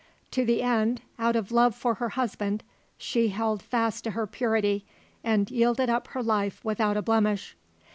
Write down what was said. To the end, out of love for her husband, she held fast to her purity and yielded up her life without a blemish.